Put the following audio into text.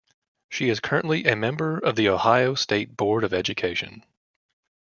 She is currently a member of the Ohio State Board of Education.